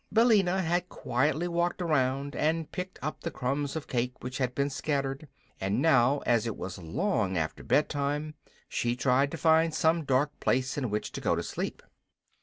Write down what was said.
Billina had quietly walked around and picked up the crumbs of cake which had been scattered, and now, as it was long after bed time, she tried to find some dark place in which to go to sleep.